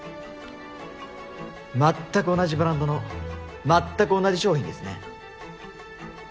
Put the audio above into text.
全く同じブランドの全く同じ商品ですね？